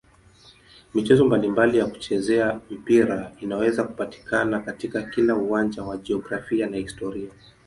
Michezo mbalimbali ya kuchezea mpira inaweza kupatikana katika kila uwanja wa jiografia na historia.